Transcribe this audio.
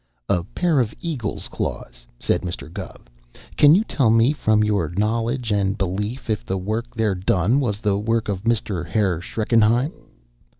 "A pair of eagle's claws," said Mr. Gubb. "Can you tell me, from your knowledge and belief, if the work there done was the work of a Mr. Herr Schreckenheim?"